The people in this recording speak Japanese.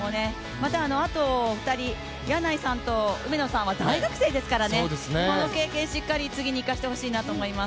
また、あと２人柳井さんと梅野さんは大学生ですからねこの経験をしっかり次に生かしてほしいなと思います。